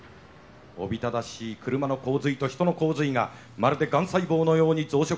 おびただしい車の洪水と人の洪水がまるでがん細胞のように増殖して見える。